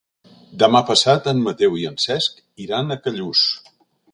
Demà passat en Mateu i en Cesc iran a Callús.